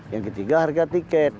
yang ketiga harga tiket